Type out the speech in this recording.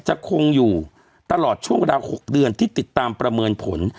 จะคงอยู่ตลอดช่วงเวลา๖เดือนที่ติดตามประเมินผล